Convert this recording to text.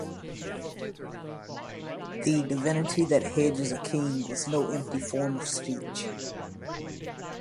The divinity that hedges a king was no empty form of speech.